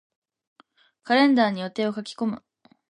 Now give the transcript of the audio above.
カレンダーに予定を書き込む。